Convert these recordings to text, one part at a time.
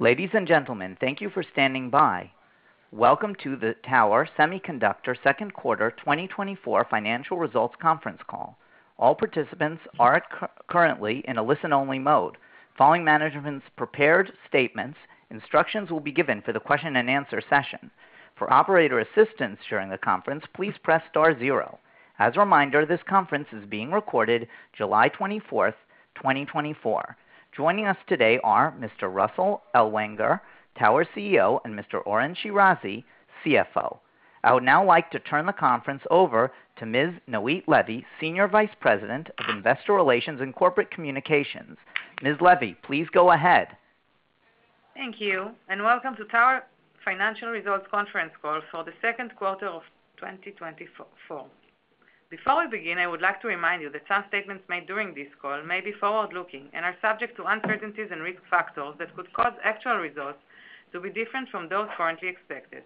Ladies and gentlemen, thank you for standing by. Welcome to the Tower Semiconductor second quarter 2024 financial results conference call. All participants are currently in a listen-only mode. Following management's prepared statements, instructions will be given for the question and answer session. For operator assistance during the conference, please press star zero. As a reminder, this conference is being recorded July 24th, 2024. Joining us today are Mr. Russell Ellwanger, Tower CEO, and Mr. Oren Shirazi, CFO. I would now like to turn the conference over to Ms. Noit Levy, Senior Vice President of Investor Relations and Corporate Communications. Ms. Levy, please go ahead. Thank you, and welcome to Tower Financial Results conference call for the second quarter of 2024. Before we begin, I would like to remind you that some statements made during this call may be forward-looking and are subject to uncertainties and risk factors that could cause actual results to be different from those currently expected.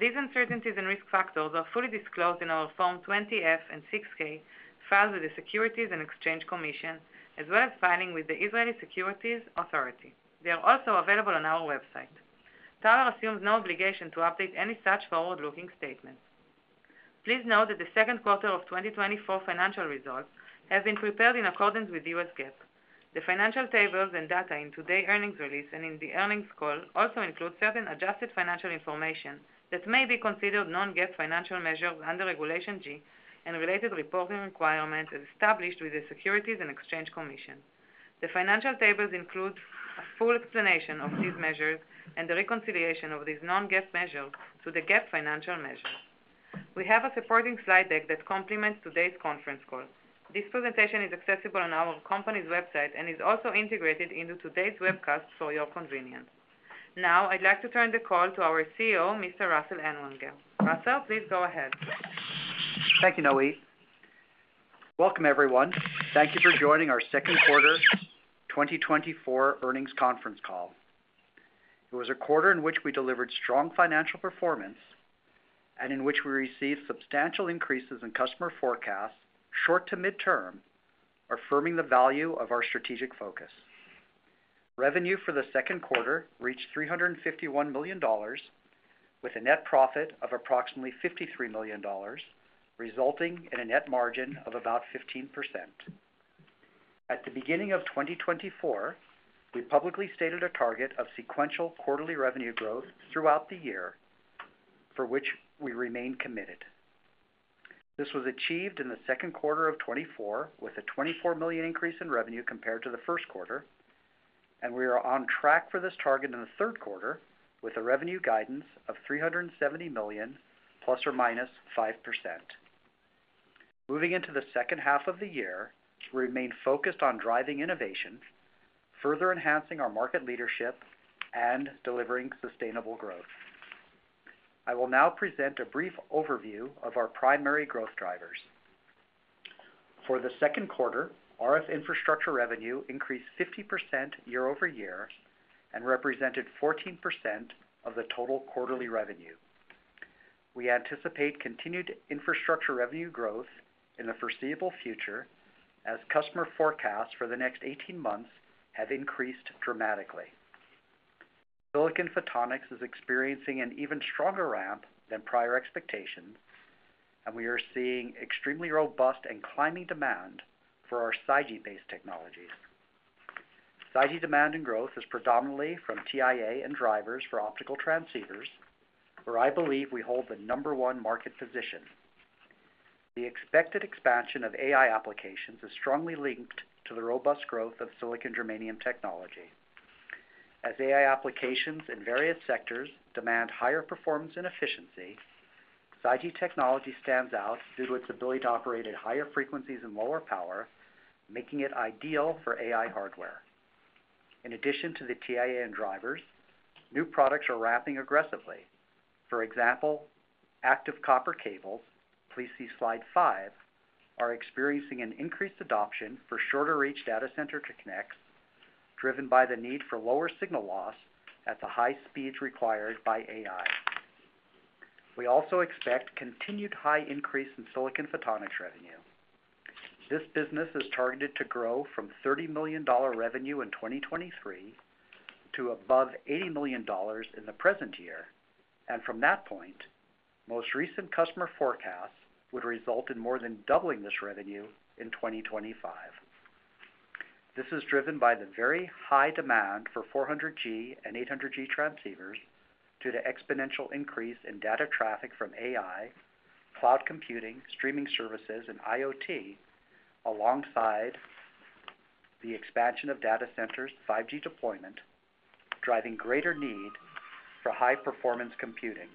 These uncertainties and risk factors are fully disclosed in our Form 20-F and 6-K filed with the U.S. Securities and Exchange Commission, as well as filing with the Israeli Securities Authority. They are also available on our website. Tower assumes no obligation to update any such forward-looking statements. Please note that the second quarter of 2024 financial results have been prepared in accordance with U.S. GAAP. The financial tables and data in today's earnings release and in the earnings call also include certain adjusted financial information that may be considered non-GAAP financial measures under Regulation G and related reporting requirements as established with the Securities and Exchange Commission. The financial tables include a full explanation of these measures and the reconciliation of these non-GAAP measures to the GAAP financial measures. We have a supporting slide deck that complements today's conference call. This presentation is accessible on our company's website and is also integrated into today's webcast for your convenience. Now, I'd like to turn the call to our CEO, Mr. Russell Ellwanger. Russell, please go ahead. Thank you, Noit. Welcome, everyone. Thank you for joining our second quarter 2024 earnings conference call. It was a quarter in which we delivered strong financial performance and in which we received substantial increases in customer forecasts, short to mid-term, affirming the value of our strategic focus. Revenue for the second quarter reached $351 million, with a net profit of approximately $53 million, resulting in a net margin of about 15%. At the beginning of 2024, we publicly stated a target of sequential quarterly revenue growth throughout the year, for which we remain committed. This was achieved in the second quarter of 2024, with a $24 million increase in revenue compared to the first quarter, and we are on track for this target in the third quarter, with a revenue guidance of $370 million, ±5%. Moving into the second half of the year, we remain focused on driving innovation, further enhancing our market leadership, and delivering sustainable growth. I will now present a brief overview of our primary growth drivers. For the second quarter, RF infrastructure revenue increased 50% year-over-year and represented 14% of the total quarterly revenue. We anticipate continued infrastructure revenue growth in the foreseeable future as customer forecasts for the next 18 months have increased dramatically. Silicon Photonics is experiencing an even stronger ramp than prior expectations, and we are seeing extremely robust and climbing demand for our SiGe-based technologies. SiGe demand and growth is predominantly from TIA and drivers for optical transceivers, where I believe we hold the number one market position. The expected expansion of AI applications is strongly linked to the robust growth of silicon germanium technology. As AI applications in various sectors demand higher performance and efficiency, SiGe technology stands out due to its ability to operate at higher frequencies and lower power, making it ideal for AI hardware. In addition to the TIA and drivers, new products are ramping aggressively. For example, active copper cables, please see slide 5, are experiencing an increased adoption for shorter-reach data center connects, driven by the need for lower signal loss at the high speeds required by AI. We also expect continued high increase in silicon photonics revenue. This business is targeted to grow from $30 million revenue in 2023 to above $80 million in the present year. From that point, most recent customer forecasts would result in more than doubling this revenue in 2025. This is driven by the very high demand for 400G and 800G transceivers due to exponential increase in data traffic from AI, cloud computing, streaming services, and IoT, alongside the expansion of data centers, 5G deployment, driving greater need for high-performance computing.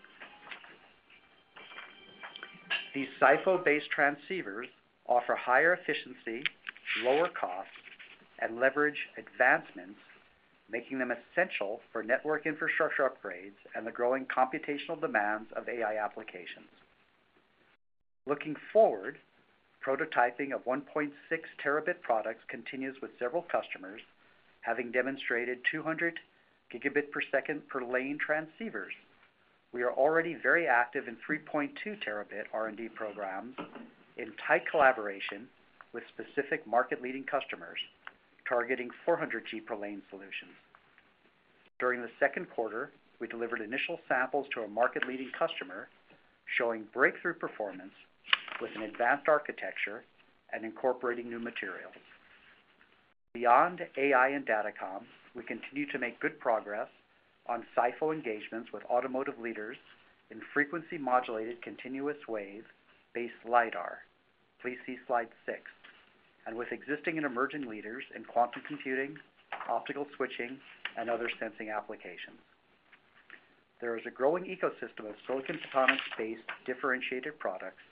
These SiPho-based transceivers offer higher efficiency, lower cost, and leverage advancements, making them essential for network infrastructure upgrades and the growing computational demands of AI applications. Looking forward, prototyping of 1.6 terabit products continues with several customers, having demonstrated 200 gigabit per second per lane transceivers... We are already very active in 3.2 terabit R&D programs, in tight collaboration with specific market-leading customers, targeting 400G per lane solutions. During the second quarter, we delivered initial samples to a market-leading customer, showing breakthrough performance with an advanced architecture and incorporating new materials. Beyond AI and datacom, we continue to make good progress on SiPho engagements with automotive leaders in frequency-modulated, continuous wave-based LiDAR. Please see slide 6. And with existing and emerging leaders in quantum computing, optical switching, and other sensing applications. There is a growing ecosystem of silicon photonics-based differentiated products,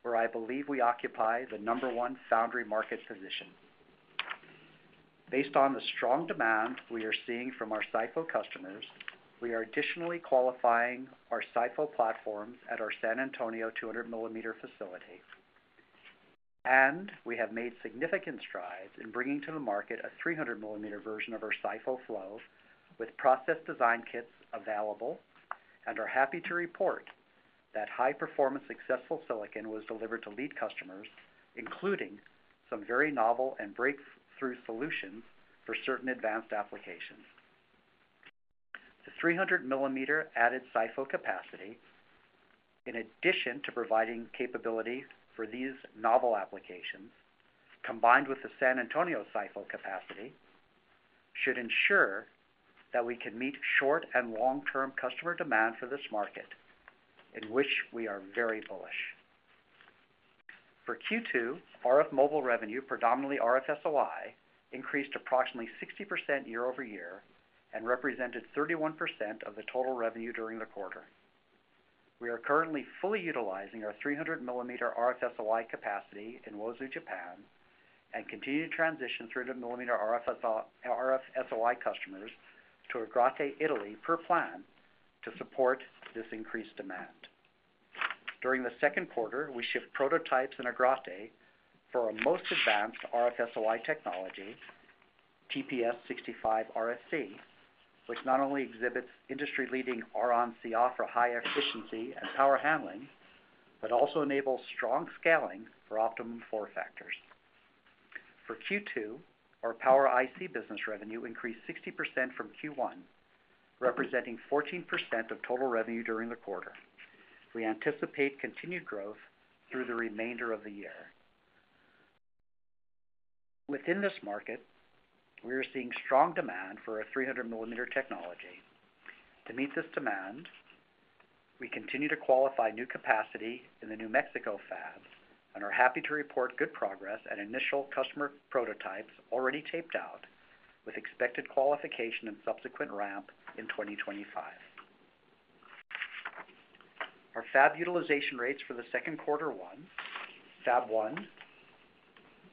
where I believe we occupy the number one foundry market position. Based on the strong demand we are seeing from our SiPho customers, we are additionally qualifying our SiPho platforms at our San Antonio 200 mm facility. We have made significant strides in bringing to the market a 300 mm version of our SiPho flows, with process design kits available, and are happy to report that high-performance, successful silicon was delivered to lead customers, including some very novel and breakthrough solutions for certain advanced applications. The 300 mm added SiPho capacity, in addition to providing capability for these novel applications, combined with the San Antonio SiPho capacity, should ensure that we can meet short- and long-term customer demand for this market, in which we are very bullish. For Q2, RF mobile revenue, predominantly RF SOI, increased approximately 60% year-over-year and represented 31% of the total revenue during the quarter. We are currently fully utilizing our 300 mm RF SOI capacity in Uozu, Japan, and continue to transition 300 mm RF SOI customers to Agrate, Italy, per plan, to support this increased demand. During the second quarter, we shipped prototypes in Agrate for our most advanced RF SOI technology, TPS65RS, which not only exhibits industry-leading Ron/Coff for high efficiency and power handling, but also enables strong scaling for optimum form factors. For Q2, our power IC business revenue increased 60% from Q1, representing 14% of total revenue during the quarter. We anticipate continued growth through the remainder of the year. Within this market, we are seeing strong demand for our 300 mm technology. To meet this demand, we continue to qualify new capacity in the New Mexico fab and are happy to report good progress and initial customer prototypes already taped out, with expected qualification and subsequent ramp in 2025. Our fab utilization rates for the second quarter 2024, Fab-1,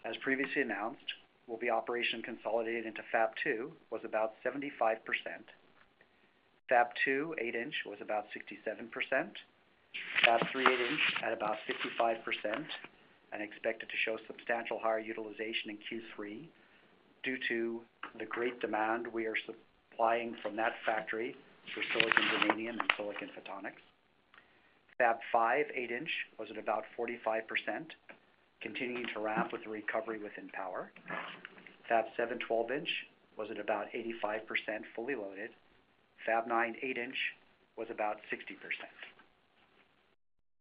as previously announced, will be operation consolidated into Fab-2, was about 75%. Fab-2 8 in was about 67%. Fab-3 8 in at about 55% and expected to show substantial higher utilization in Q3 due to the great demand we are supplying from that factory for silicon germanium and silicon photonics. Fab-5 8 in was at about 45%, continuing to ramp with the recovery within power. Fab-7 12 in was at about 85%, fully loaded. Fab-9 8 in was about 60%.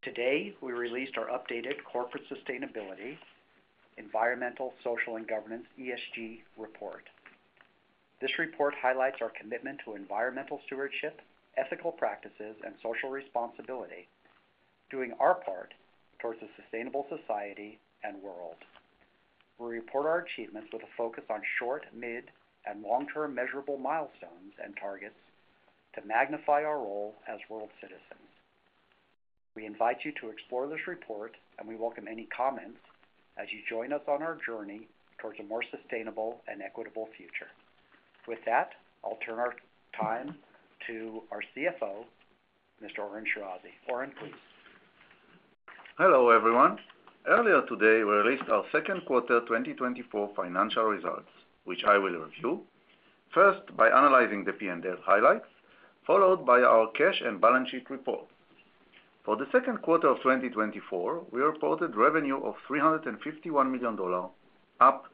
Today, we released our updated Corporate Sustainability, Environmental, Social, and Governance, ESG report. This report highlights our commitment to environmental stewardship, ethical practices, and social responsibility, doing our part towards a sustainable society and world. We report our achievements with a focus on short, mid, and long-term measurable milestones and targets to magnify our role as world citizens. We invite you to explore this report, and we welcome any comments as you join us on our journey towards a more sustainable and equitable future. With that, I'll turn our time to our CFO, Mr. Oren Shirazi. Oren, please. Hello, everyone. Earlier today, we released our second quarter 2024 financial results, which I will review, first by analyzing the P&L highlights, followed by our cash and balance sheet report. For the second quarter of 2024, we reported revenue of $351 million, up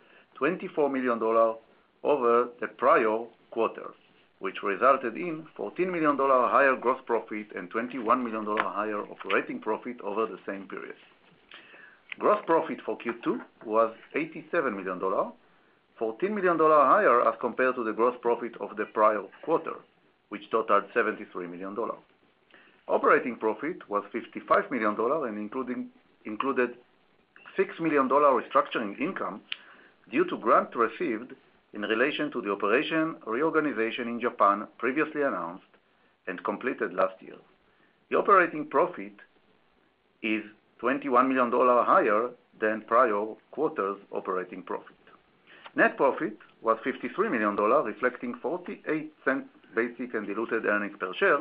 $24 million over the prior quarter, which resulted in $14 million higher gross profit and $21 million higher operating profit over the same period. Gross profit for Q2 was $87 million, $14 million higher as compared to the gross profit of the prior quarter, which totaled $73 million. Operating profit was $55 million and included $6 million restructuring income due to grant received in relation to the operation reorganization in Japan, previously announced and completed last year. The operating profit is $21 million higher than prior quarter's operating profit. Net profit was $53 million, reflecting $0.48 basic and diluted earnings per share,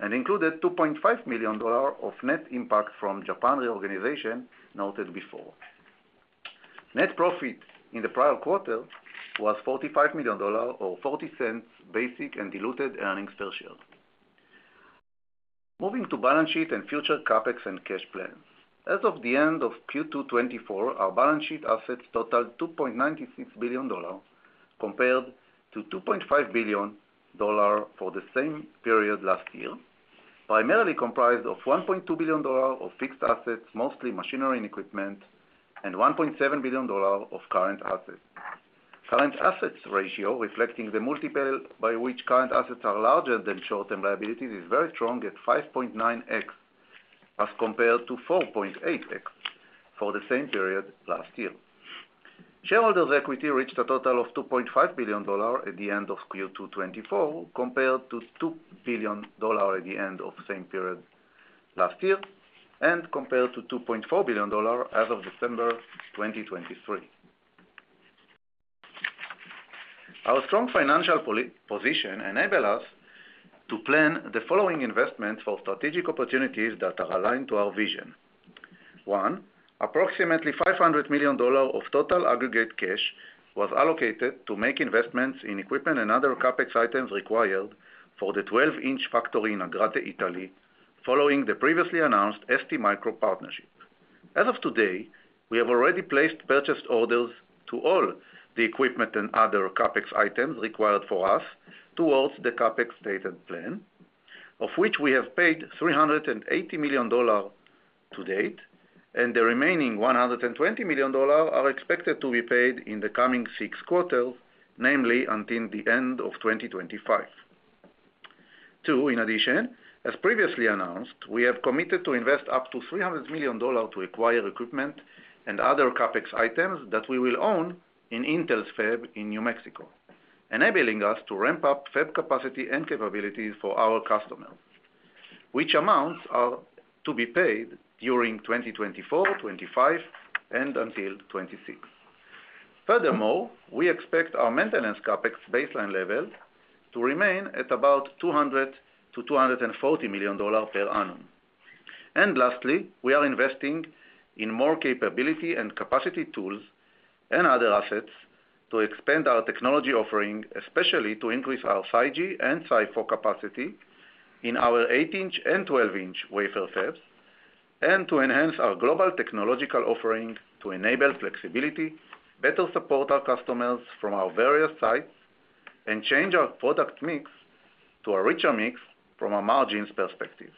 and included $2.5 million of net impact from Japan reorganization, noted before. Net profit in the prior quarter was $45 million, or $0.40 basic and diluted earnings per share. Moving to balance sheet and future CapEx and cash plan. As of the end of Q2 2024, our balance sheet assets totaled $2.96 billion, compared to $2.5 billion for the same period last year, primarily comprised of $1.2 billion of fixed assets, mostly machinery and equipment, and $1.7 billion of current assets. Current assets ratio, reflecting the multiple by which current assets are larger than short-term liabilities, is very strong at 5.9x, as compared to 4.8x for the same period last year. Shareholders' equity reached a total of $2.5 billion at the end of Q2 2024, compared to $2 billion at the end of same period last year, and compared to $2.4 billion as of December 2023. Our strong financial position enable us to plan the following investments for strategic opportunities that are aligned to our vision. One, approximately $500 million of total aggregate cash was allocated to make investments in equipment and other CapEx items required for the 12 in factory in Agrate, Italy, following the previously announced STMicro partnership. As of today, we have already placed purchase orders to all the equipment and other CapEx items required for us towards the CapEx dated plan, of which we have paid $380 million to date, and the remaining $120 million are expected to be paid in the coming six quarters, namely until the end of 2025. Two, in addition, as previously announced, we have committed to invest up to $300 million to acquire equipment and other CapEx items that we will own in Intel's fab in New Mexico, enabling us to ramp up fab capacity and capabilities for our customers, which amounts are to be paid during 2024, 2025, and until 2026. Furthermore, we expect our maintenance CapEx baseline level to remain at about $200 million-$240 million per annum. Lastly, we are investing in more capability and capacity tools and other assets to expand our technology offering, especially to increase our SiGe and SiPho capacity in our 8 in and 12 in wafer fabs, and to enhance our global technological offering to enable flexibility, better support our customers from our various sites, and change our product mix to a richer mix from a margins perspective.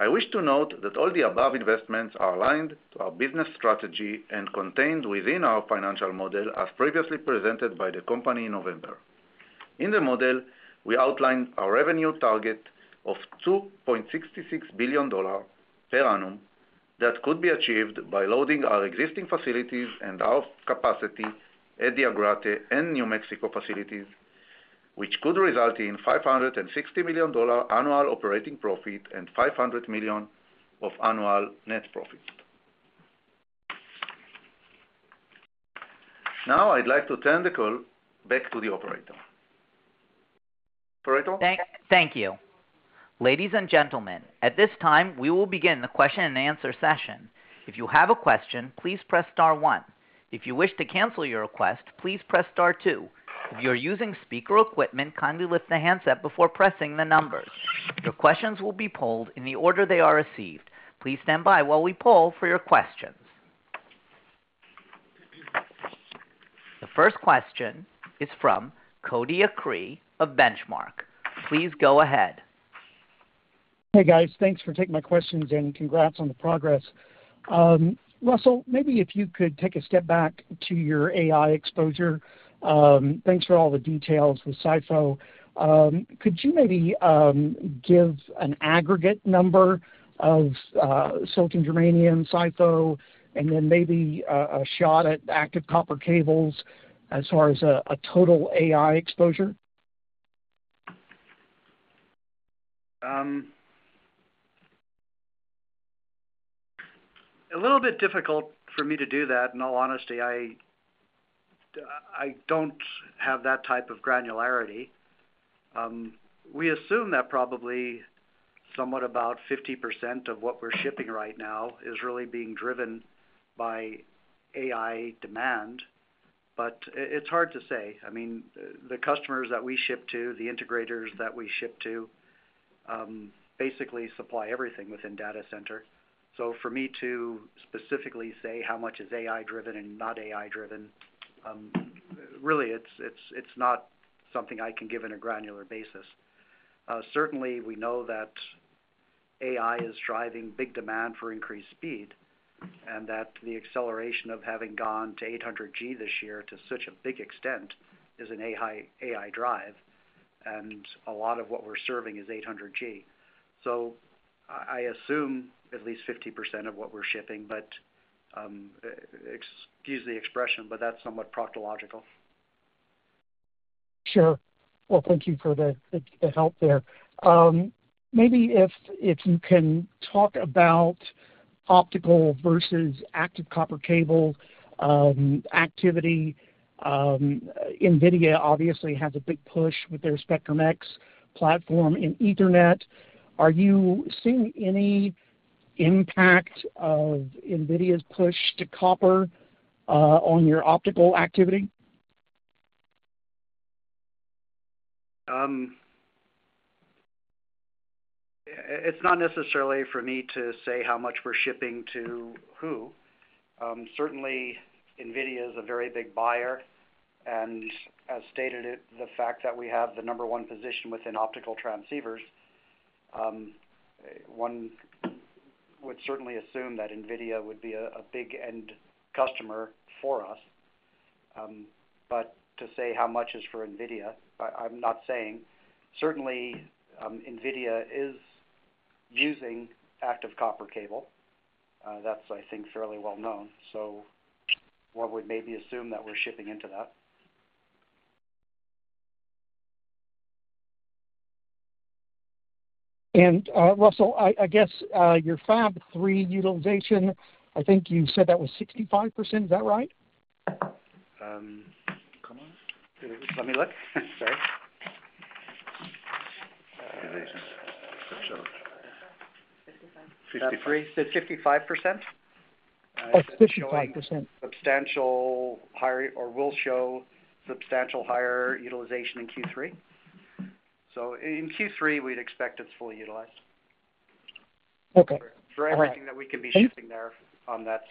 I wish to note that all the above investments are aligned to our business strategy and contained within our financial model, as previously presented by the company in November. In the model, we outlined our revenue target of $2.66 billion per annum that could be achieved by loading our existing facilities and our capacity at the Agrate and New Mexico facilities, which could result in $560 million annual operating profit and $500 million of annual net profit. Now, I'd like to turn the call back to the operator. Operator? Thank you. Ladies and gentlemen, at this time, we will begin the question-and-answer session. If you have a question, please press star one. If you wish to cancel your request, please press star two. If you're using speaker equipment, kindly lift the handset before pressing the numbers. Your questions will be polled in the order they are received. Please stand by while we poll for your questions. The first question is from Cody Acree of Benchmark. Please go ahead. Hey, guys. Thanks for taking my questions, and congrats on the progress. Russell, maybe if you could take a step back to your AI exposure. Thanks for all the details with SiPho. Could you maybe give an aggregate number of silicon germanium SiPho, and then maybe a shot at Active Copper Cables as far as a total AI exposure? A little bit difficult for me to do that, in all honesty. I don't have that type of granularity. We assume that probably somewhat about 50% of what we're shipping right now is really being driven by AI demand, but it's hard to say. I mean, the customers that we ship to, the integrators that we ship to, basically supply everything within data center. So for me to specifically say how much is AI driven and not AI driven, really, it's, it's, it's not something I can give on a granular basis. Certainly, we know that AI is driving big demand for increased speed, and that the acceleration of having gone to 800G this year to such a big extent is an AI drive, and a lot of what we're serving is 800G. So I assume at least 50% of what we're shipping, but excuse the expression, but that's somewhat proctological. Sure. Well, thank you for the help there. Maybe if you can talk about optical versus active copper cable activity. NVIDIA obviously has a big push with their Spectrum-X platform in Ethernet. Are you seeing any impact of NVIDIA's push to copper on your optical activity? It's not necessarily for me to say how much we're shipping to who. Certainly, NVIDIA is a very big buyer, and as stated it, the fact that we have the number one position within optical transceivers, one would certainly assume that NVIDIA would be a big end customer for us. But to say how much is for NVIDIA, I'm not saying. Certainly, NVIDIA is using active copper cable. That's, I think, fairly well known. So one would maybe assume that we're shipping into that. Russell, I guess your Fab-3 utilization. I think you said that was 65%. Is that right? Let me look. Sorry. Utilization. 55%. 53%, said 55%? Oh, 55%. Substantially higher or will show substantially higher utilization in Q3. So in Q3, we'd expect it's fully utilized. Okay. All right. For anything that we can be shipping there, that's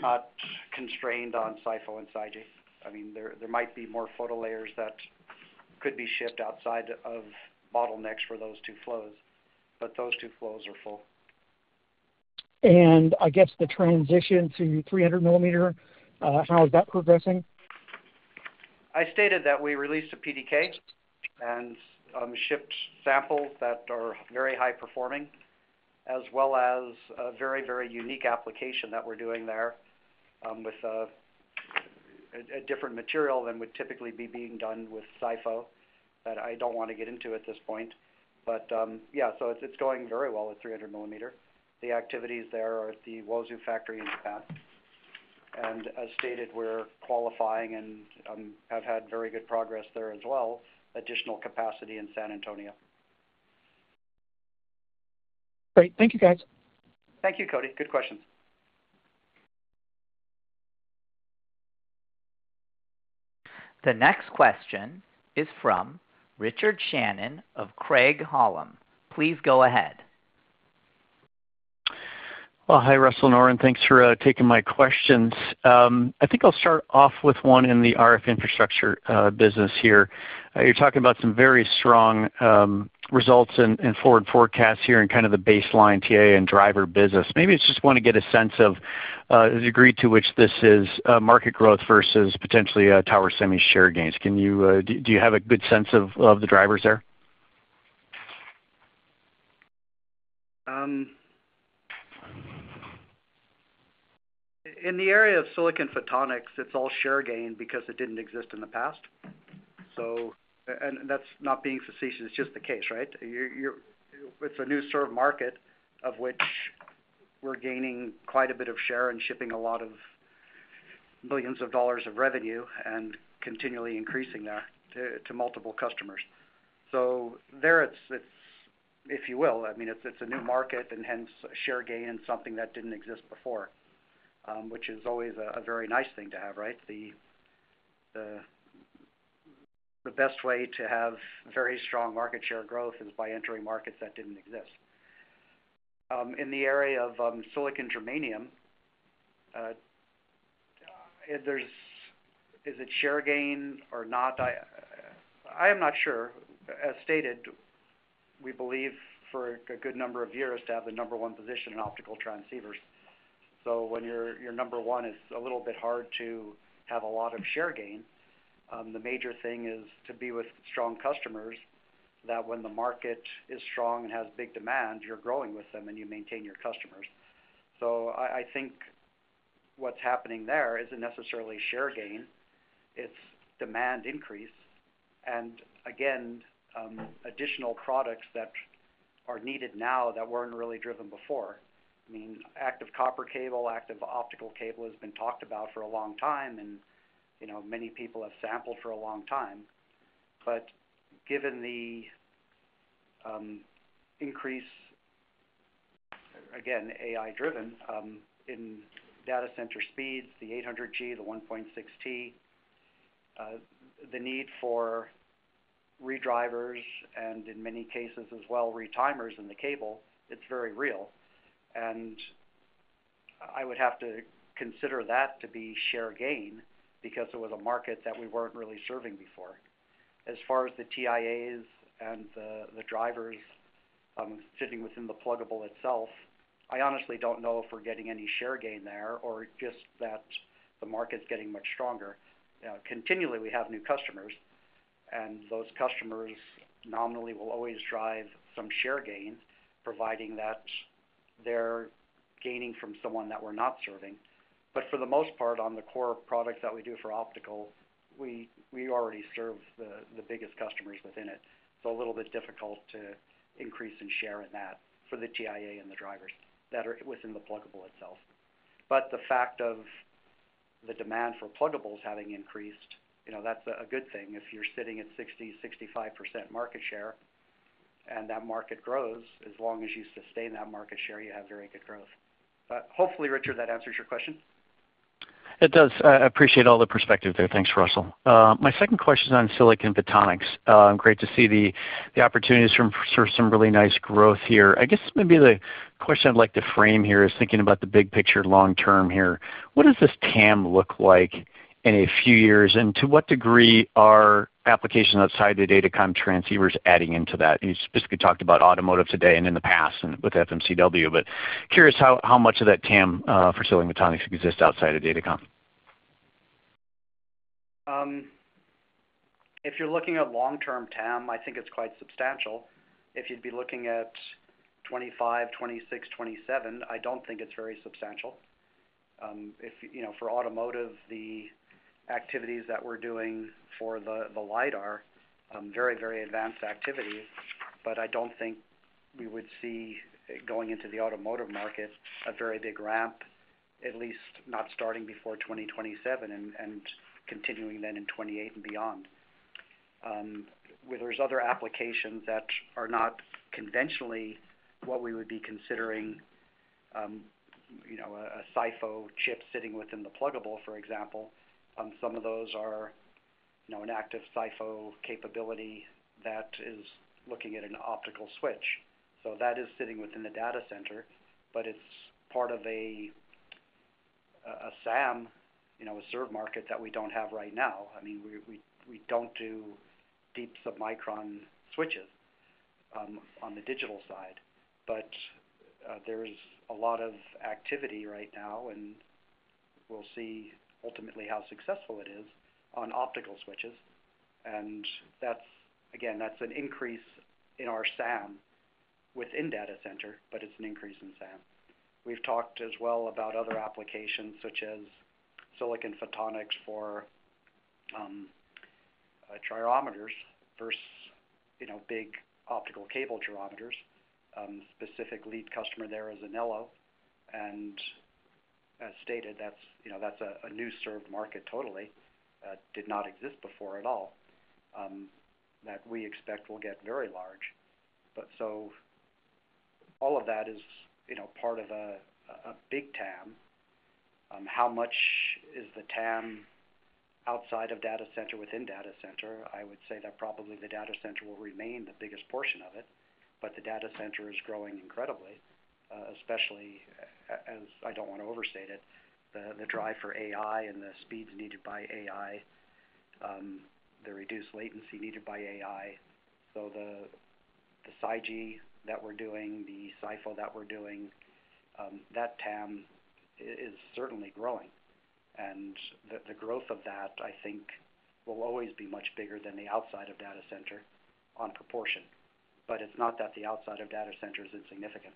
not constrained on SiPho and SiGe. I mean, there might be more photo layers that could be shipped outside of bottlenecks for those two flows, but those two flows are full. I guess the transition to 300 mm, how is that progressing? I stated that we released a PDK and shipped samples that are very high performing, as well as a very, very unique application that we're doing there, with a different material than would typically be being done with SiPho, that I don't want to get into at this point. But yeah, so it's going very well at 300 mm. The activities there are at the Uozu factory in Japan. And as stated, we're qualifying and have had very good progress there as well, additional capacity in San Antonio. Great. Thank you, guys. Thank you, Cody. Good questions. The next question is from Richard Shannon of Craig-Hallum. Please go ahead. Well, hi, Russell and Oren. Thanks for taking my questions. I think I'll start off with one in the RF infrastructure business here. You're talking about some very strong results and forward forecasts here and kind of the baseline TA and driver business. Maybe I just want to get a sense of the degree to which this is market growth versus potentially a Tower Semi share gains. Can you do you have a good sense of the drivers there? In the area of silicon photonics, it's all share gain because it didn't exist in the past. And that's not being facetious, it's just the case, right? You're. It's a new sort of market of which we're gaining quite a bit of share and shipping a lot of billions of dollars of revenue and continually increasing that to multiple customers. So there it's, if you will, I mean, it's a new market and hence, share gain, something that didn't exist before, which is always a very nice thing to have, right? The best way to have very strong market share growth is by entering markets that didn't exist. In the area of silicon germanium, if there's. Is it share gain or not? I am not sure. As stated, we believe for a good number of years to have the number one position in optical transceivers. So when you're, you're number one, it's a little bit hard to have a lot of share gain. The major thing is to be with strong customers, that when the market is strong and has big demand, you're growing with them, and you maintain your customers. So I, I think what's happening there isn't necessarily share gain, it's demand increase, and again, additional products that are needed now that weren't really driven before. I mean, active copper cable, active optical cable has been talked about for a long time, and, you know, many people have sampled for a long time. But given the increase, again, AI driven, in data center speeds, the 800G, the 1.6T, the need for redrivers and in many cases as well, retimers in the cable, it's very real. And I would have to consider that to be share gain because it was a market that we weren't really serving before. As far as the TIAs and the drivers, sitting within the pluggable itself, I honestly don't know if we're getting any share gain there or just that the market's getting much stronger. Continually, we have new customers, and those customers nominally will always drive some share gains, providing that they're gaining from someone that we're not serving. But for the most part, on the core products that we do for optical, we already serve the biggest customers within it. It's a little bit difficult to increase in share in that for the TIA and the drivers that are within the pluggable itself. But the fact of the demand for pluggables having increased, you know, that's a good thing. If you're sitting at 60%-65% market share, and that market grows, as long as you sustain that market share, you have very good growth. But hopefully, Richard, that answers your question. It does. I appreciate all the perspective there. Thanks, Russell. My second question is on silicon photonics. Great to see the opportunities for some really nice growth here. I guess maybe the question I'd like to frame here is thinking about the big picture long term here. What does this TAM look like in a few years? And to what degree are applications outside the data comm transceivers adding into that? You specifically talked about automotive today and in the past and with FMCW, but curious how much of that TAM for silicon photonics exists outside of data comm? If you're looking at long-term TAM, I think it's quite substantial. If you'd be looking at 2025, 2026, 2027, I don't think it's very substantial. If, you know, for automotive, the activities that we're doing for the, the LiDAR, very, very advanced activities, but I don't think we would see, going into the automotive market, a very big ramp, at least not starting before 2027 and continuing then in 2028 and beyond. Where there's other applications that are not conventionally what we would be considering, you know, a SiPho chip sitting within the pluggable, for example, some of those are, you know, an active SiPho capability that is looking at an optical switch. So that is sitting within the data center, but it's part of a SAM, you know, a served market that we don't have right now. I mean, we don't do deep submicron switches on the digital side. But there's a lot of activity right now, and we'll see ultimately how successful it is on optical switches. And that's again, that's an increase in our SAM within data center, but it's an increase in SAM. We've talked as well about other applications, such as silicon photonics for gyrometers versus, you know, big optical cable gyrometers. Specific lead customer there is Anello. And as stated, that's, you know, that's a new served market totally, did not exist before at all, that we expect will get very large. But so all of that is, you know, part of a big TAM. How much is the TAM outside of data center, within data center? I would say that probably the data center will remain the biggest portion of it, but the data center is growing incredibly, especially, as I don't want to overstate it, the, the drive for AI and the speeds needed by AI, the reduced latency needed by AI. So the, the SiGe that we're doing, the SiPho that we're doing, that TAM is certainly growing. And the, the growth of that, I think, will always be much bigger than the outside of data center on proportion. But it's not that the outside of data center is insignificant.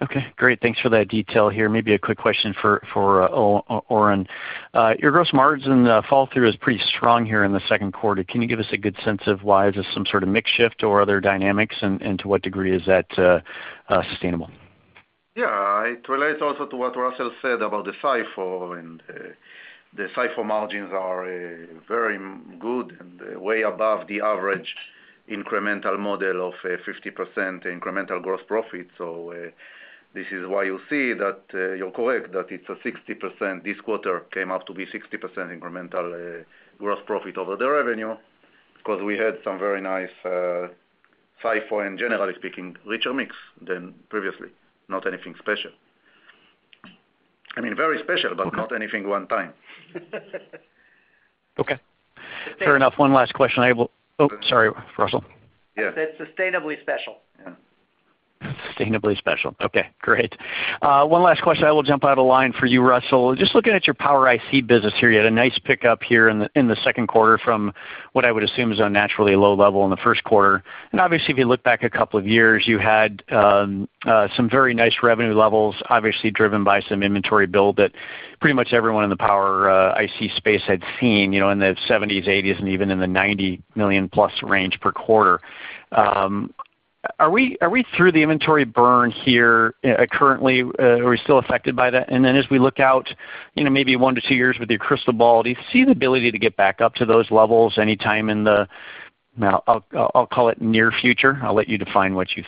Okay, great. Thanks for that detail here. Maybe a quick question for Oren. Your gross margin flow-through is pretty strong here in the second quarter. Can you give us a good sense of why? Is this some sort of mix shift or other dynamics, and to what degree is that sustainable? Yeah, it relates also to what Russell said about the SiPho, and, the SiPho margins are, very good and way above the average incremental model of, 50% incremental gross profit. So, this is why you see that, you're correct, that it's a 60%-- this quarter came out to be 60% incremental, gross profit over the revenue, because we had some very nice, SiPho, and generally speaking, richer mix than previously. Not anything special. I mean, very special- Okay. but not anything one time. Okay. Fair enough. One last question I will- Oh, sorry, Russell. Yeah. It's sustainably special. Yeah. Sustainably special. Okay, great. One last question, I will jump out of line for you, Russell. Just looking at your Power IC business here, you had a nice pickup here in the second quarter from what I would assume is a naturally low level in the first quarter. And obviously, if you look back a couple of years, you had some very nice revenue levels, obviously driven by some inventory build that pretty much everyone in the Power IC space had seen, you know, in the $70 million, $80 million, and even in the $90+ million range per quarter. Are we, are we through the inventory burn here currently? Are we still affected by that? And then as we look out, you know, maybe one to two years with your crystal ball, do you see the ability to get back up to those levels anytime in the near future? I'll let you define what you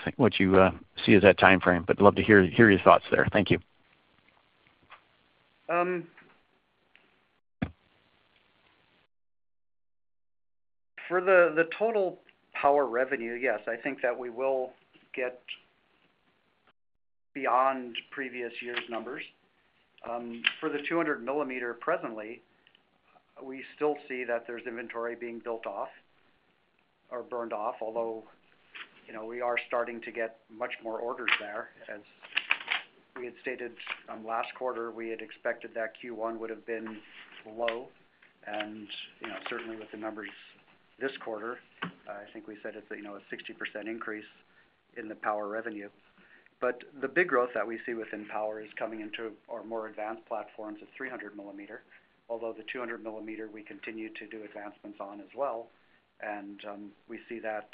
see as that timeframe, but love to hear your thoughts there. Thank you. For the total power revenue, yes, I think that we will get beyond previous years' numbers. For the 200 mm presently, we still see that there's inventory being built off or burned off, although, you know, we are starting to get much more orders there. As we had stated last quarter, we had expected that Q1 would've been low. And, you know, certainly with the numbers this quarter, I think we said it's, you know, a 60% increase in the power revenue. But the big growth that we see within power is coming into our more advanced platforms of 300 mm, although the 200 mm, we continue to do advancements on as well, and we see that,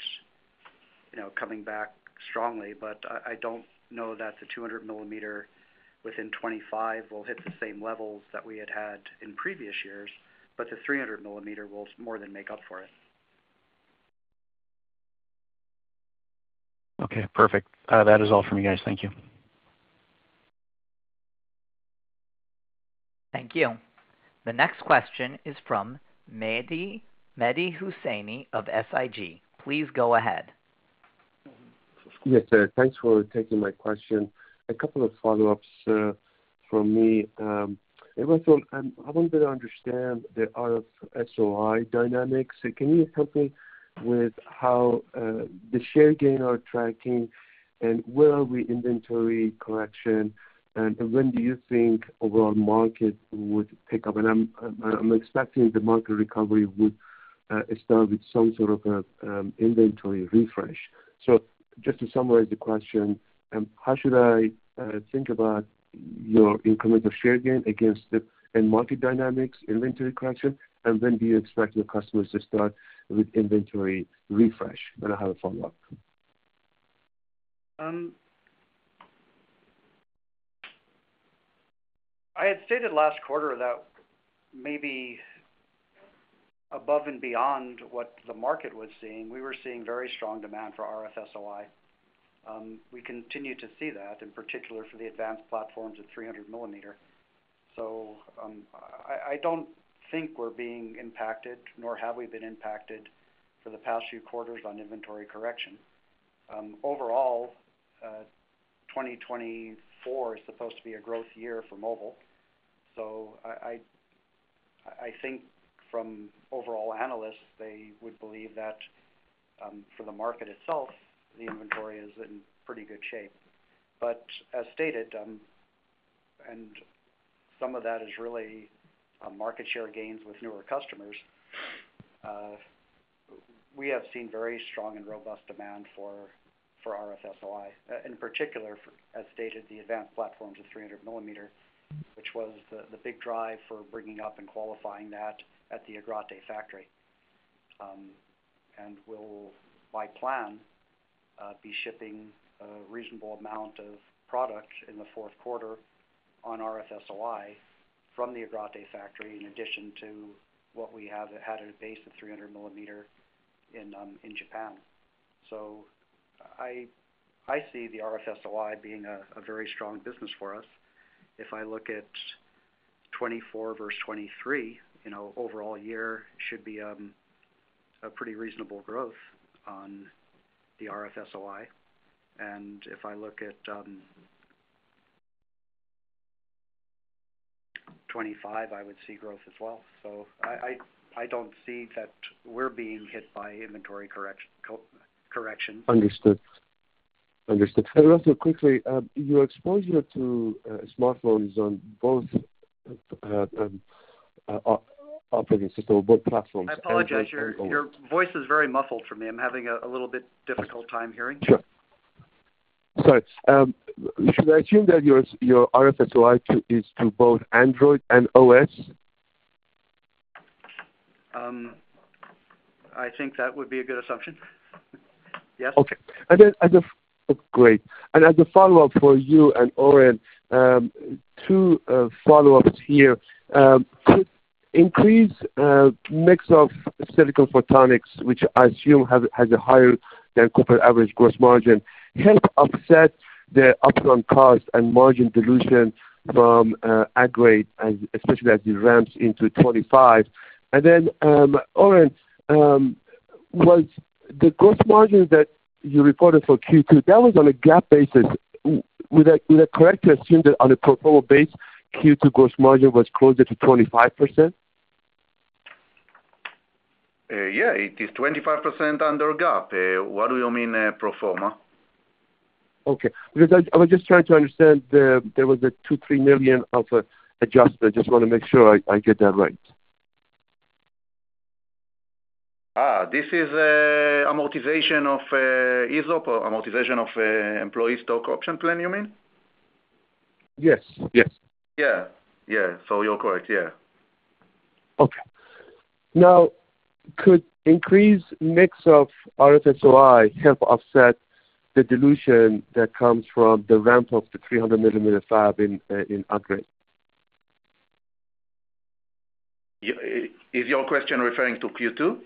you know, coming back strongly. But I don't know that the 200 mm within 25 will hit the same levels that we had had in previous years, but the 300 mm will more than make up for it. Okay, perfect. That is all from me, guys. Thank you. Thank you. The next question is from Mehdi, Mehdi Hosseini of SIG. Please go ahead. Yes, sir. Thanks for taking my question. A couple of follow-ups from me. Russell, I want to understand the RF SOI dynamics. So can you help me with how the share gain are tracking, and where are we inventory correction, and when do you think overall market would pick up? And I'm expecting the market recovery would start with some sort of inventory refresh. So just to summarize the question, and how should I think about your incremental share gain against the end market dynamics, inventory correction, and when do you expect your customers to start with inventory refresh? And I have a follow-up. I had stated last quarter that maybe above and beyond what the market was seeing, we were seeing very strong demand for RF SOI. We continue to see that, in particular for the advanced platforms of 300 mm. I don't think we're being impacted, nor have we been impacted for the past few quarters on inventory correction. Overall, 2024 is supposed to be a growth year for mobile, so I think from overall analysts, they would believe that, for the market itself, the inventory is in pretty good shape. But as stated, and some of that is really market share gains with newer customers, we have seen very strong and robust demand for RF SOI. In particular, as stated, the advanced platforms of 300 mm, which was the big drive for bringing up and qualifying that at the Agrate factory. We'll, by plan, be shipping a reasonable amount of product in the fourth quarter on RF SOI from the Agrate factory, in addition to what we have had a base of 300 mm in Japan. So I see the RF SOI being a very strong business for us. If I look at 2024 versus 2023, you know, overall year should be a pretty reasonable growth on the RF SOI. If I look at 2025, I would see growth as well. So I don't see that we're being hit by inventory correction. Understood. Understood. And also quickly, your exposure to, smartphones on both, operating system, both platforms- I apologize. Your voice is very muffled for me. I'm having a little bit difficult time hearing you. Sure. Sorry. Should I assume that your, your RF SOI too, is to both Android and OS? I think that would be a good assumption. Yes. Okay. And then as a follow-up for you and Oren, two follow-ups here. Could increase mix of silicon photonics, which I assume has a higher than corporate average gross margin, help offset the upfront cost and margin dilution from Agrate, especially as it ramps into 2025? And then, Oren, was the gross margin that you reported for Q2, that was on a GAAP basis. Would I correctly assume that on a pro forma basis, Q2 gross margin was closer to 25%? Yeah, it is 25% under GAAP. What do you mean, pro forma? Okay. Because I was just trying to understand, there was a $2 million-$3 million adjustment. I just want to make sure I get that right. This is amortization of ESOP, or amortization of employee stock option plan, you mean? Yes. Yes. Yeah. Yeah. So you're correct, yeah. Okay. Now, could increased mix of RF SOI help offset the dilution that comes from the ramp of the 300 mm fab in, in Agrate? Is your question referring to Q2?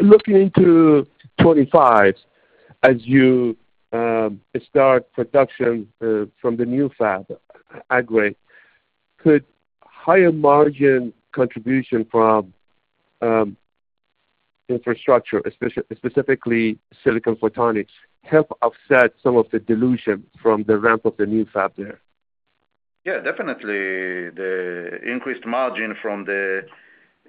Looking into 2025, as you start production from the new fab, Agrate, could higher margin contribution from infrastructure, specifically silicon photonics, help offset some of the dilution from the ramp of the new fab there? Yeah, definitely the increased margin from the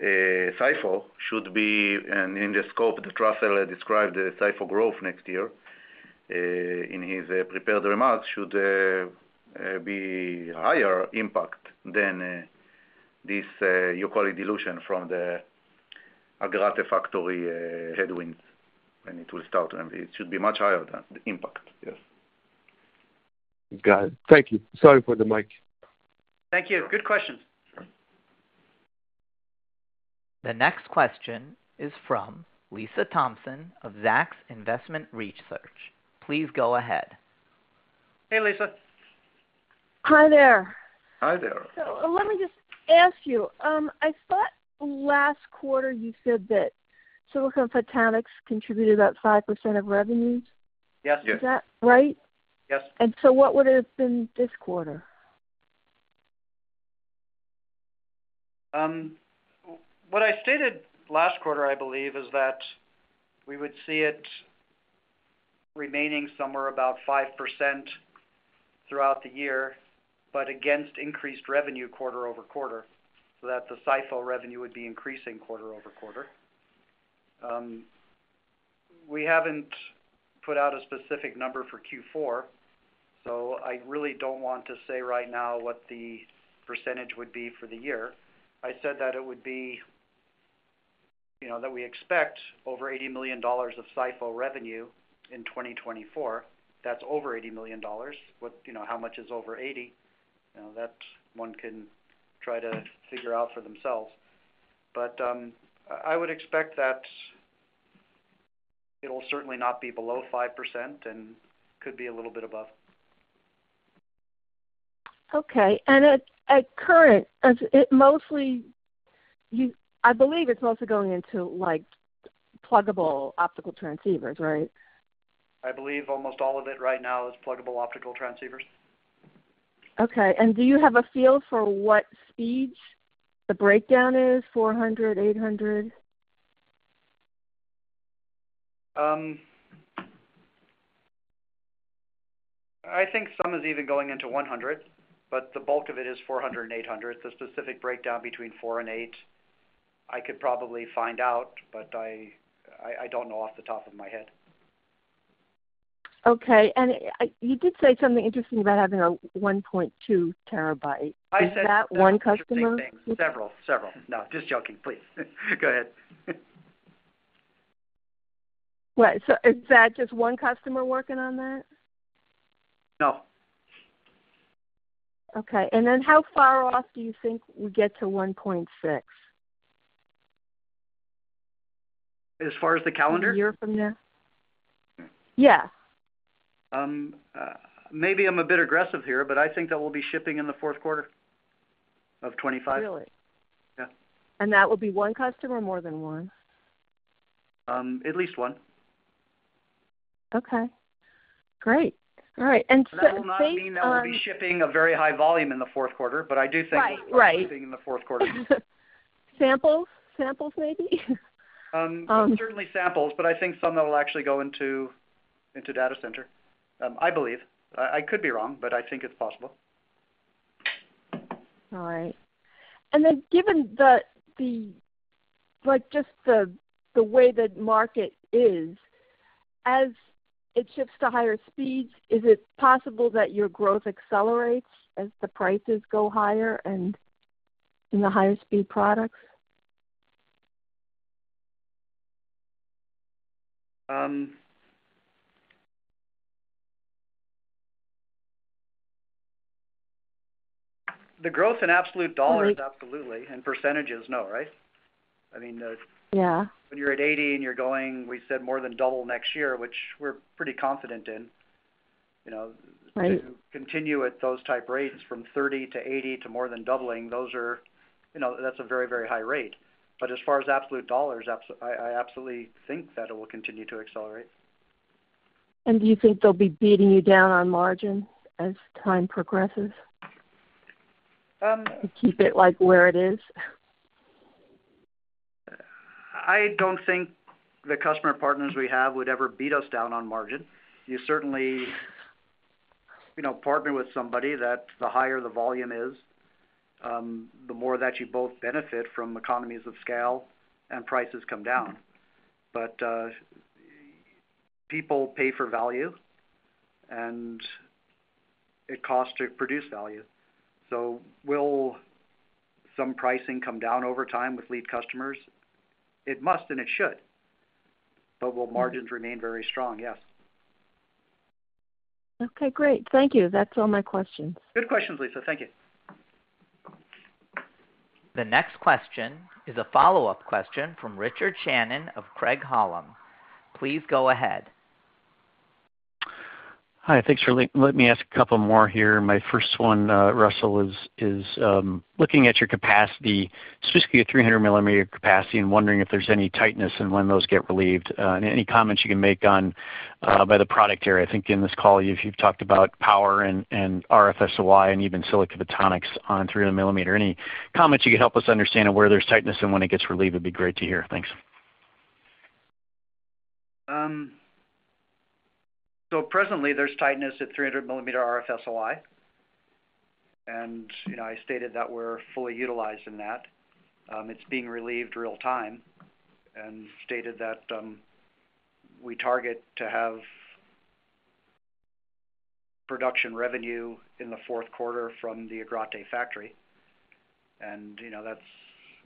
SiPho should be, and in the scope that Russell described, the SiPho growth next year in his prepared remarks should be higher impact than this you call it dilution from the Agrate factory headwinds, and it will start, and it should be much higher than the impact. Yes. Got it. Thank you. Sorry for the mic. Thank you. Good question. The next question is from Lisa Thompson of Zacks Investment Research. Please go ahead. Hey, Lisa. Hi there. Hi there. Let me just ask you. I thought last quarter you said that Silicon Photonics contributed about 5% of revenues. Yes. Yes. Is that right? Yes. What would it have been this quarter? What I stated last quarter, I believe, is that we would see it remaining somewhere about 5% throughout the year, but against increased revenue quarter over quarter, so that the SiPho revenue would be increasing quarter over quarter. We haven't put out a specific number for Q4, so I really don't want to say right now what the percentage would be for the year. I said that it would be, you know, that we expect over $80 million of SiPho revenue in 2024. That's over $80 million. What? You know, how much is over 80? You know, that one can try to figure out for themselves. But, I would expect that it'll certainly not be below 5% and could be a little bit above. Okay. And at current, as it mostly—I believe it's mostly going into, like, pluggable optical transceivers, right? I believe almost all of it right now is pluggable optical transceivers. Okay. And do you have a feel for what speeds the breakdown is? 400, 800? I think some is even going into 100, but the bulk of it is 400 and 800. The specific breakdown between four and eight, I could probably find out, but I don't know off the top of my head. Okay. You did say something interesting about having a 1.2 terabyte. I said- Is that one customer? Several, several. No, just joking, please. Go ahead. Right. So is that just one customer working on that? No. Okay. Then, how far off do you think we get to 1.6? As far as the calendar? A year from now? Yeah. Maybe I'm a bit aggressive here, but I think that we'll be shipping in the fourth quarter of 2025. Really? Yeah. That will be one customer or more than one? At least one. Okay, great. All right. And so- That will not mean that we'll be shipping a very high volume in the fourth quarter, but I do think- Right, right. Shipping in the fourth quarter. Samples, samples maybe? Certainly samples, but I think some that will actually go into data center. I believe. I could be wrong, but I think it's possible. All right. And then given the, like, just the way the market is, as it shifts to higher speeds, is it possible that your growth accelerates as the prices go higher and in the higher speed products? The growth in absolute dollars- Absolutely. Absolutely, in percentages, no, right? I mean, Yeah. When you're at 80 and you're going, we said more than double next year, which we're pretty confident in, you know- Right... to continue at those type rates from 30 to 80 to more than doubling, those are, you know, that's a very, very high rate. But as far as absolute dollars, I, I absolutely think that it will continue to accelerate. Do you think they'll be beating you down on margin as time progresses? Um- To keep it like where it is? I don't think the customer partners we have would ever beat us down on margin. You certainly, you know, partner with somebody that the higher the volume is, the more that you both benefit from economies of scale and prices come down. But people pay for value, and it costs to produce value. So will some pricing come down over time with lead customers? It must and it should. But will margins remain very strong? Yes. Okay, great. Thank you. That's all my questions. Good questions, Lisa. Thank you. The next question is a follow-up question from Richard Shannon of Craig-Hallum. Please go ahead. Hi, thanks for letting me ask a couple more here. My first one, Russell, is looking at your capacity, specifically at 300 mm capacity, and wondering if there's any tightness and when those get relieved. And any comments you can make on, by the product area. I think in this call, you've talked about power and RF SOI and even Silicon Photonics on 300 mm. Any comments you can help us understand on where there's tightness and when it gets relieved, would be great to hear. Thanks. So presently, there's tightness at 300 mm RF SOI. And, you know, I stated that we're fully utilized in that. It's being relieved real time, and stated that, we target to have production revenue in the fourth quarter from the Agrate factory. And, you know, that's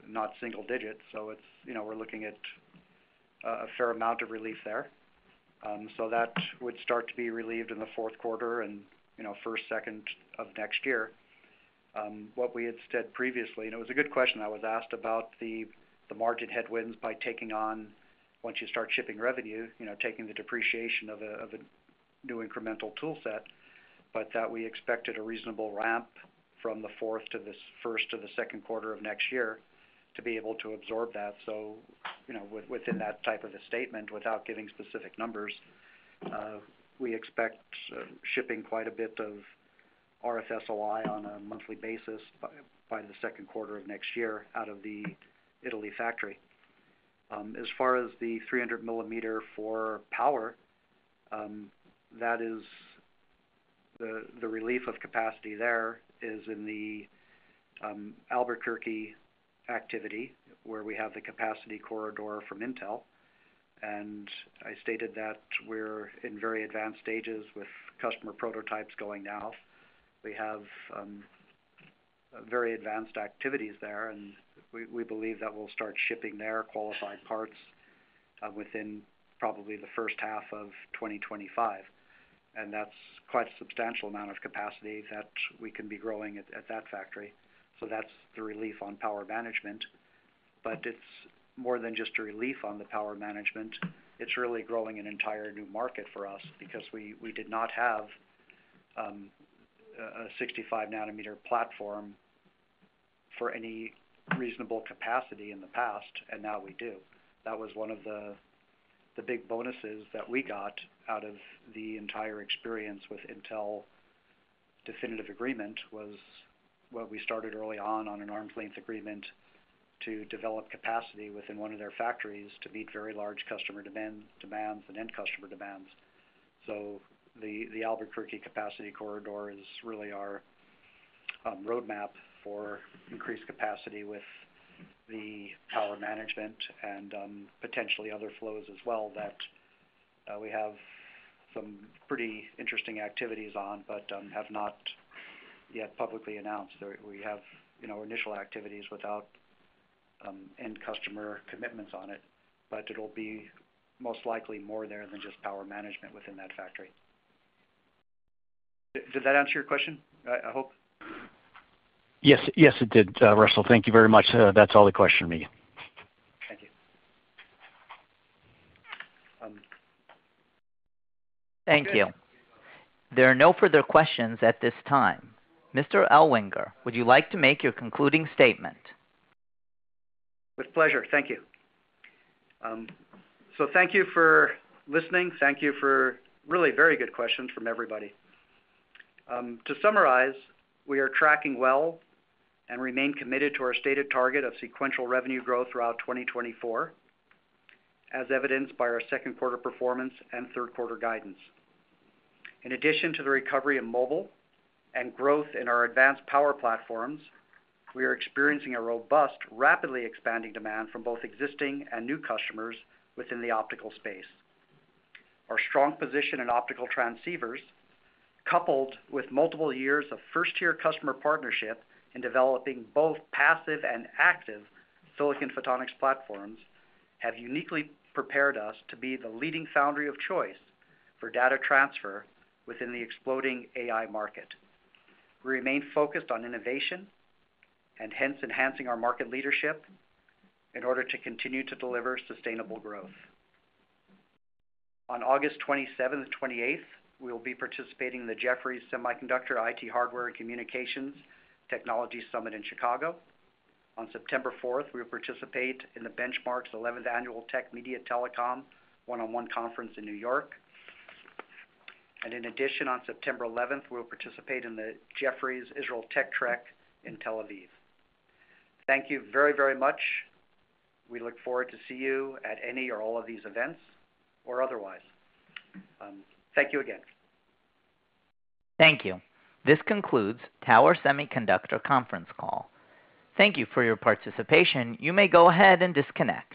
not single digits, so it's, you know, we're looking at, a fair amount of relief there. So that would start to be relieved in the fourth quarter and, you know, first, second of next year. What we had said previously, and it was a good question, I was asked about the margin headwinds by taking on once you start shipping revenue, you know, taking the depreciation of a new incremental tool set, but that we expected a reasonable ramp from the fourth to the first to the second quarter of next year to be able to absorb that. So, you know, within that type of a statement, without giving specific numbers, we expect shipping quite a bit of RF SOI on a monthly basis by the second quarter of next year out of the Italy factory. As far as the 300 mm for power, that is the relief of capacity there is in the Albuquerque activity, where we have the capacity corridor from Intel. I stated that we're in very advanced stages with customer prototypes going now. We have very advanced activities there, and we, we believe that we'll start shipping their qualified parts within probably the first half of 2025. And that's quite a substantial amount of capacity that we can be growing at, at that factory. So that's the relief on power management. But it's more than just a relief on the power management. It's really growing an entire new market for us because we, we did not have a 65 nm platform for any reasonable capacity in the past, and now we do. That was one of the big bonuses that we got out of the entire experience with Intel definitive agreement, was what we started early on, on an arm's length agreement to develop capacity within one of their factories to meet very large customer demands and end customer demands. So the Albuquerque capacity corridor is really our roadmap for increased capacity with the power management and potentially other flows as well, that we have some pretty interesting activities on, but have not yet publicly announced. We have, you know, initial activities without end customer commitments on it, but it'll be most likely more there than just power management within that factory. Does that answer your question? I hope. Yes. Yes, it did, Russell. Thank you very much. That's all the question for me. Thank you. Thank you. There are no further questions at this time. Mr. Ellwanger, would you like to make your concluding statement? With pleasure. Thank you. So thank you for listening. Thank you for really very good questions from everybody. To summarize, we are tracking well and remain committed to our stated target of sequential revenue growth throughout 2024, as evidenced by our second quarter performance and third quarter guidance. In addition to the recovery in mobile and growth in our advanced power platforms, we are experiencing a robust, rapidly expanding demand from both existing and new customers within the optical space. Our strong position in optical transceivers, coupled with multiple years of first-tier customer partnership in developing both passive and active silicon photonics platforms, have uniquely prepared us to be the leading foundry of choice for data transfer within the exploding AI market. We remain focused on innovation and hence enhancing our market leadership in order to continue to deliver sustainable growth. On August 27th and 28th, we will be participating in the Jefferies Semiconductor IT Hardware and Communications Technology Summit in Chicago. On September 4th, we will participate in the Benchmark's 11th Annual Tech Media Telecom one-on-one conference in New York. And in addition, on September 11th, we will participate in the Jefferies Israel Tech Trek in Tel Aviv. Thank you very, very much. We look forward to see you at any or all of these events or otherwise. Thank you again. Thank you. This concludes Tower Semiconductor conference call. Thank you for your participation. You may go ahead and disconnect.